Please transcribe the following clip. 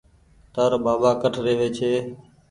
تآرو ٻآٻآ ڪٺ رهوي ڇي